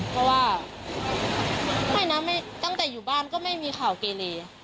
เพราะว่าไม่นะตั้งแต่อยู่บ้านก็ไม่มีข่าวเกเล